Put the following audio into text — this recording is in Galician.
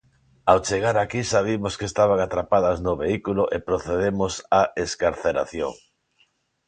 Ao chegar aquí xa vimos que estaban atrapadas no vehículo e procedemos á excarceración.